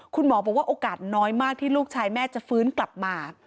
คุณหมอบอกว่าโอกาสน้อยมากที่ลูกชายแม่จะฟื้นกลับมา